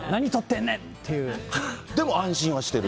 でも安心はしてる。